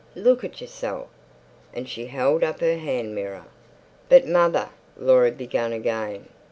Look at yourself!" And she held up her hand mirror. "But, mother," Laura began again.